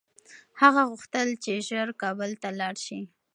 هغه غوښتل چي ژر کابل ته لاړ شي.